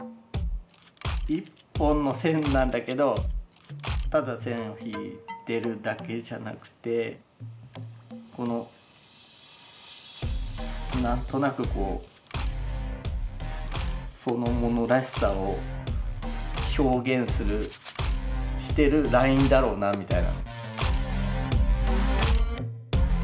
一本の線なんだけどただ線を引いてるだけじゃなくてこのなんとなくこうそのものらしさを表現するしてるラインだろうなみたいな。